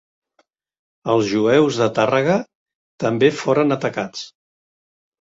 Els jueus de Tàrrega també foren atacats.